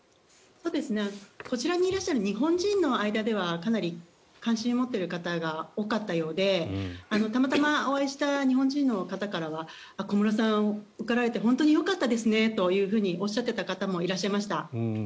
こちらにいらっしゃる日本人の間ではかなり関心を持っている方が多かったようでたまたまお会いした日本人の方からは小室さん受かられて本当によかったですねとおっしゃっていた方もいらっしゃいました。